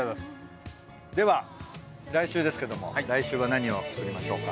では来週ですけども来週は何を作りましょうか？